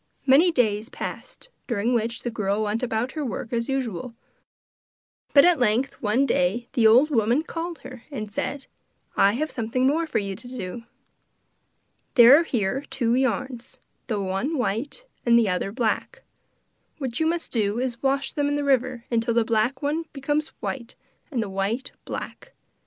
Many days passed during which the girl went about her work as usual, but at length one day the old woman called her and said: 'I have something more for you to do. There are here two yarns, the one white, the other black. What you must do is to wash them in the river till the black one becomes white and the white black.